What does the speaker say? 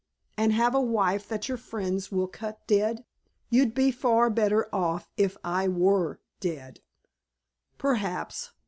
"And have a wife that your friends will cut dead? You'd be far better off if I were dead." "Perhaps.